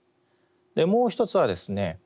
もう一つはですね